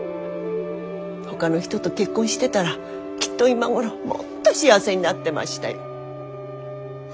ほかの人と結婚してたらきっと今頃もっと幸せになってましたよ。